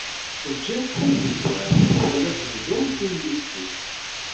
Tgiḍ-tt am tezwart uqbel ad tebduḍ tullist-ik.